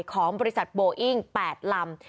ของบริษัทโบอิ้ง๘ลำ